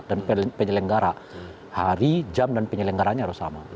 penyelenggara hari jam dan penyelenggaranya harus sama